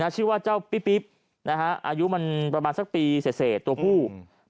ชื่อว่าเจ้าปิ๊บอายุมันประมาณสักปีเสร็จตัวผู้